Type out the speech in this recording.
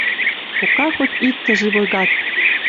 Пока хоть иктӹ живой гад